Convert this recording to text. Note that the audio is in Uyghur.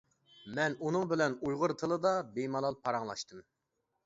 مەن ئۇنىڭ بىلەن ئۇيغۇر تىلىدا بىمالال پاراڭلاشتىم.